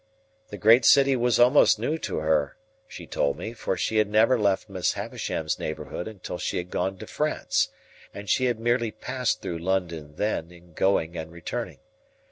The great city was almost new to her, she told me, for she had never left Miss Havisham's neighbourhood until she had gone to France, and she had merely passed through London then in going and returning.